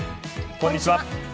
こんにちは。